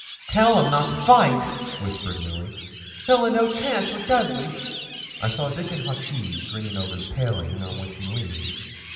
'Tell him not to fight,' whispered Milly; 'he'll a no chance wi' Dudley.' I saw Dickon Hawkes grinning over the paling on which he leaned.